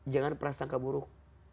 jangan perasaan keburuk